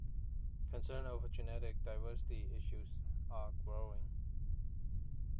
Concerns over genetic diversity issues are growing.